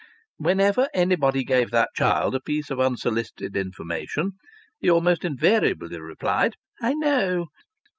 Whenever anybody gave that child a piece of unsolicited information he almost invariably replied, "I know."